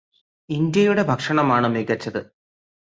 ഇന്ത്യയുടെ ഭക്ഷണമാണ് മികച്ചത്